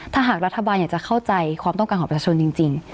ถ้าหากรัฐบาลอยากจะเข้าใจความต้องการของประชาชนจริง